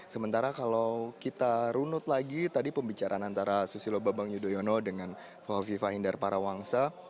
sementara kalau kita runut lagi tadi pembicaraan antara susilo bambang yudhoyono dengan kofifa indar parawangsa